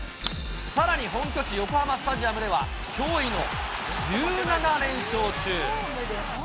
さらに本拠地、横浜スタジアムでは、驚異の１７連勝中。